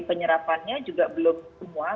penyerapannya juga belum semua